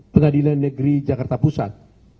pengadilan negeri jakarta pusat